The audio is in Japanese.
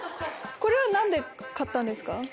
これは何で買ったんですか？